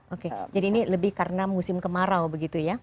oke jadi ini lebih karena musim kemarau begitu ya